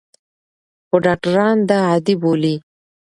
خو ډاکټران دا عادي بولي.